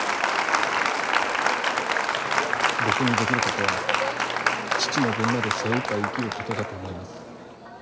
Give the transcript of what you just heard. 僕にできることは父の分まで精いっぱい生きることだと思います。